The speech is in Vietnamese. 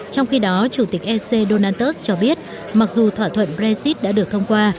trong khi đó chủ tịch ec donald trump cho biết mặc dù thỏa thuận brexit đã được thông qua